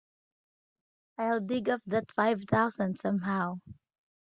I'll dig up that five thousand somehow.